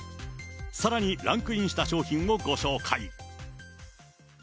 さらにランクインした商品をご紹介。